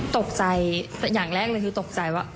ตกใจอย่างแรกเลยคือตกใจว่า